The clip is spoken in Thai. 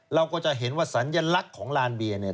เราก็จะเห็นว่าสัญลักษณ์ของลานเบียเนี่ย